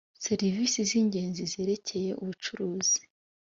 serivisi z ingenzi zerekeye ubucukuzi